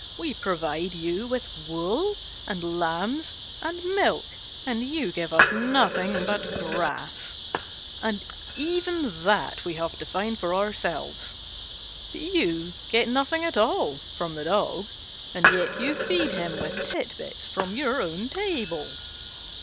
We provide you with wool and lambs and milk and you give us nothing but grass, and even that we have to find for ourselves: but you get nothing at all from the Dog, and yet you feed him with tit bits from your own table."